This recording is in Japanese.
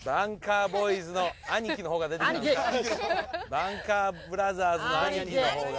バンカーブラザーズの兄貴のほうが。